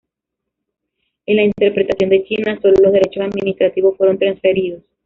En la interpretación de China, sólo los derechos administrativos fueron transferidos.